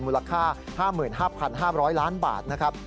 มูลค่า๕๕๕๐๐ล้านบาทนะครับ